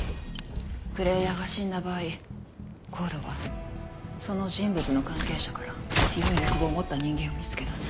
プレイヤーが死んだ場合ＣＯＤＥはその人物の関係者から強い欲望を持った人間を見つけ出す。